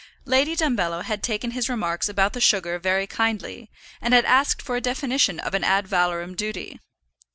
Lady Dumbello had taken his remarks about the sugar very kindly, and had asked for a definition of an ad valorem duty.